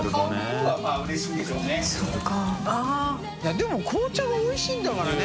でも紅茶がおいしいんだからね。